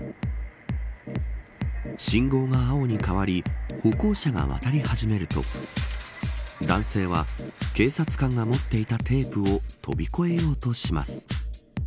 信号が青に変わり歩行者が渡り始めると男性は、警察官が持っていたテープを飛び越えようとします。